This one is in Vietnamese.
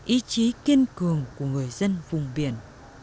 ý chí kiên cường của người dân vùng biển